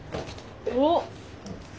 おっ。